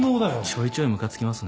ちょいちょいムカつきますね。